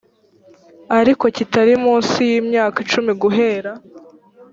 ariko kitari mu nsi y imyaka icumi guhera